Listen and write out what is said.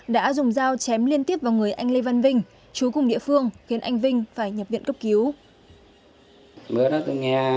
đã dùng dao chém liên tiếp vào người anh lê văn vinh chú cùng địa phương khiến anh vinh phải nhập viện cấp cứu